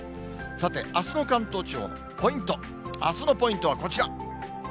さて、あすの関東地方のポイント、あすのポイントはこちら。